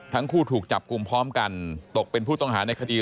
ทั้งคู่ถูกจับกลุ่มพร้อมกันตกเป็นผู้ต้องหาในคดี